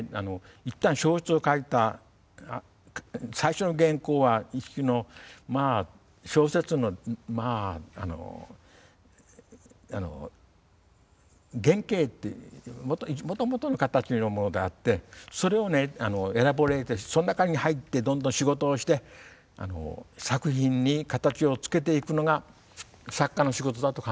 いったん小説を書いた最初の原稿は一種の小説のまあ原形もともとの形のものであってそれをエラボレイトしてその中に入ってどんどん仕事をして作品に形をつけていくのが作家の仕事だと考えてるんです。